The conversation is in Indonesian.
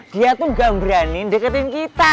dia tuh gak berani deketin kita